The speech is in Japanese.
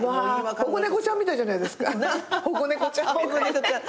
保護猫ちゃんみたいじゃないですか保護猫ちゃんみたい。